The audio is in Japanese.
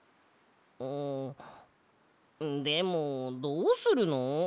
あでもどうするの？